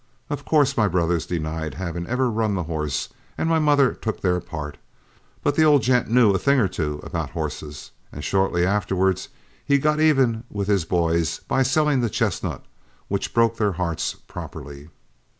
Of course, my brothers denied having ever run the horse, and my mother took their part; but the old gent knew a thing or two about horses, and shortly afterwards he got even with his boys by selling the chestnut, which broke their hearts properly."